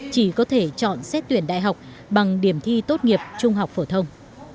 chỉ có thể chọn xét tuyển đại học bằng điểm thi tốt nghiệp trung học phổ thông